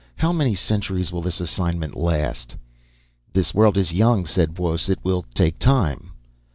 "How many centuries will this assignment last?" "This world is young," said Buos. "It will take time."